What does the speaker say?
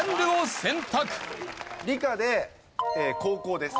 理科で後攻です。